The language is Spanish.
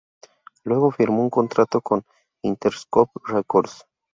Luego firmó un contrato con Interscope Records.